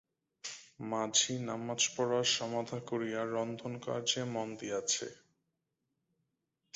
মাঝি নমাজ পড়া সমাধা করিয়া রন্ধনকার্যে মন দিয়াছে।